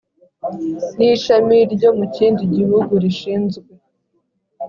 n ishami ryo mu kindi gihugu rishinzwe